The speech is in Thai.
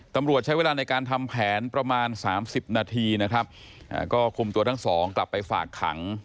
ตำรวจใช้เวลาในการทำแผนประมาณสามสิบนาทีนะครับก็คุมตัวทั้งสองกลับไปฝากขัง